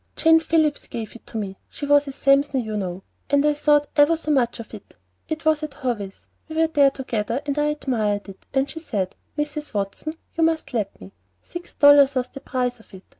"Jane Phillips gave it to me, she was a Sampson, you know, and I thought ever so much of it. It was at Hovey's We were there together, and I admired it; and she said, 'Mrs. Watson, you must let me ' Six dollars was the price of it.